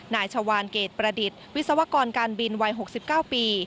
นายชาวานเกรดประดิษฐ์วิศวกรการบินวัย๖๙ปี